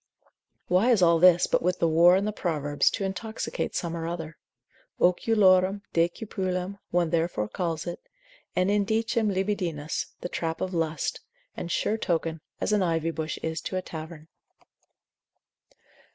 Why is all this, but with the whore in the Proverbs, to intoxicate some or other? oculorum decipulam, one therefore calls it, et indicem libidinis, the trap of lust, and sure token, as an ivy bush is to a tavern.